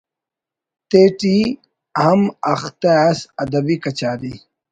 تیٹی ہم اختہ ئس ادبی کچاری